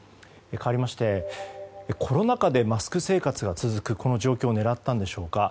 かわりましてコロナ禍でマスク生活が続くこの状況を狙ったんでしょうか。